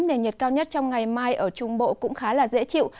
nền nhiệt cao nhất trong ngày mai ở trung bộ cũng khá dễ chịu